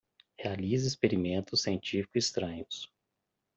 Realize experimentos científicos estranhos